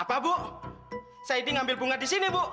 apa bu saidi ngambil bunga di sini bu